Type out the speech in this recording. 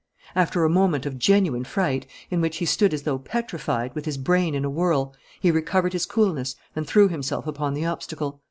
After a moment of genuine fright, in which he stood as though petrified, with his brain in a whirl, he recovered his coolness and threw himself upon the obstacle.